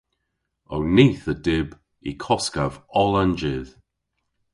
Ow nith a dyb y koskav oll an jydh.